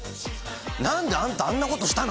何であんたあんなことしたの？